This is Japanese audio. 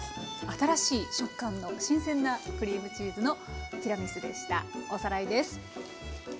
新しい食感の新鮮なクリームチーズのティラミスでした。